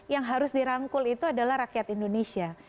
yang harus dirangkul itu adalah rakyat indonesia